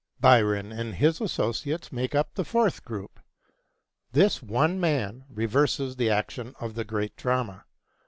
Byron and his associates make up the fourth group. This one man reverses the action of the great drama.